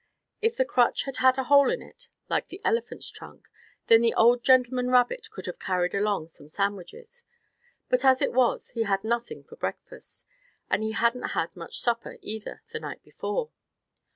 If the crutch had had a hole in it, like in the elephant's trunk, then the old gentleman rabbit could have carried along some sandwiches. But, as it was, he had nothing for breakfast, and he hadn't had much supper either, the night before.